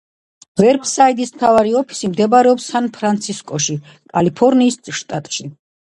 ვებსაიტის მთავარი ოფისი მდებარეობს სან-ფრანცისკოში, კალიფორნიის შტატში.